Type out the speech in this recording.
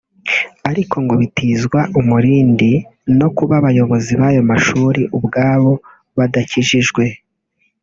ariko ngo bitizwa umurindi no kuba abayobozi b’ayo mashuri ubwabo badakijijwe